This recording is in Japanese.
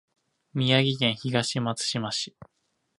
宮城県東松島市